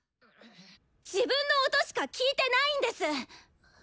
自分の音しか聴いてないんです！